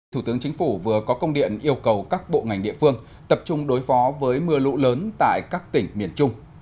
thủ tướng chính phủ vừa có công điện yêu cầu các bộ ngành địa phương tập trung đối phó với mưa lũ lớn tại các tỉnh miền trung